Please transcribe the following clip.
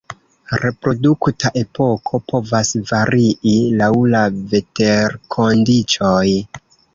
Reprodukta epoko povas varii laŭ la veterkondiĉoj.